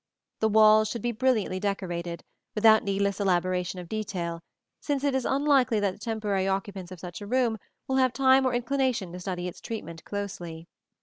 The walls should be brilliantly decorated, without needless elaboration of detail, since it is unlikely that the temporary occupants of such a room will have time or inclination to study its treatment closely.